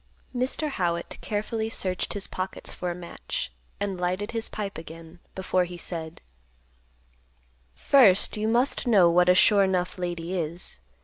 Mr. Howitt carefully searched his pockets for a match, and lighted his pipe again, before he said, "First you must know what a 'sure enough' lady is.